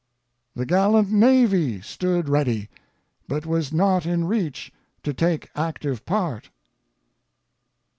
The gallant Navy stood ready, but was not in reach to take active part.